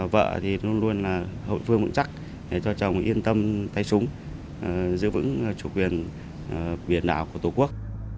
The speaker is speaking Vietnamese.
vợ luôn luôn hội phương bận chắc cho chồng yên tâm tay súng giữ vững chủ quyền biển đảo của tổ quốc